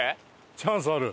チャンスある！